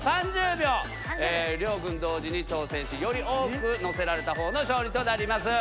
両軍同時に挑戦しより多くのせられたほうの勝利となります。